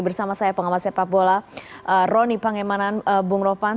bersama saya pengamat sepak bola roni pangemanan bung ropan